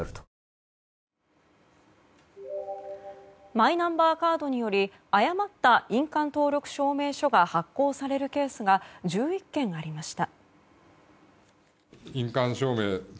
マイナンバーカードにより誤った印鑑登録証明書が発行されるケースが１１件ありました。